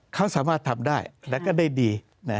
เขาสามารถทำได้และก็ได้ดี